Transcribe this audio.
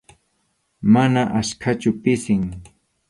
Mana achkachu, pisim.